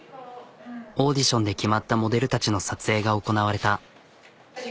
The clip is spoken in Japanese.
オーディションで決まったモデルたちの撮影が行なわれた。